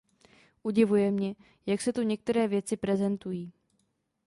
Udivuje mě, jak se tu některé věci prezentují.